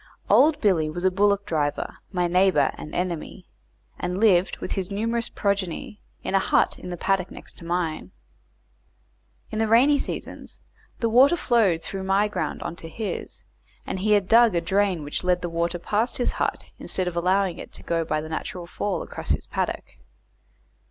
Old Billy was a bullock driver, my neighbour and enemy, and lived, with his numerous progeny, in a hut in the paddock next to mine. In the rainy seasons the water flowed through my ground on to his, and he had dug a drain which led the water past his hut, instead of allowing it to go by the natural fall across his paddock.